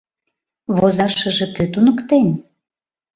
— Возашыже кӧ туныктен?